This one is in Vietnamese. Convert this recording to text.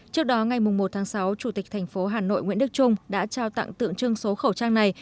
trước đó ngày một tháng sáu chủ tịch thành phố hà nội nguyễn đức trung đã trao tặng tượng trưng số khẩu trang này